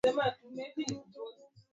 mwaka elfu moja mia tisa sitini na mbili